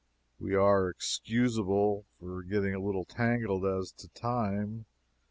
We are excusable for getting a little tangled as to time.